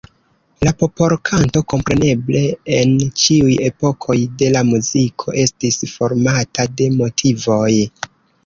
La popolkanto kompreneble en ĉiuj epokoj de la muziko estis formata de motivoj.